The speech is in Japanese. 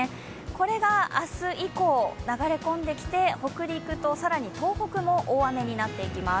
これが明日以降、流れ込んできて北陸と更に東北も大雨になっていきます。